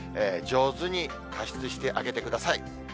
上手に加湿してあげてください。